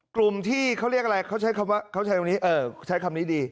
กลุ่มที่เขาเรียกอะไรใช้คำนี้ดี